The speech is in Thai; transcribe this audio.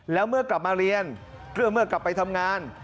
แล้วเมื่อกลับมาเรียนก็เมื่อกลับไปทำงาน